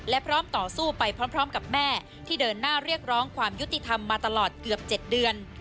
และพร้อมต่อสู้ไปพร้อมกับแม่ที่เดินหน้าเรียกร้องความยุติธรรมมาตลอดเกือบ๗เดือน